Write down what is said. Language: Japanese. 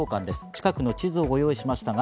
近くの地図をご用意しました。